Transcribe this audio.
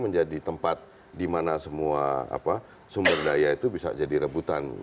menjadi tempat di mana semua sumber daya itu bisa jadi rebutan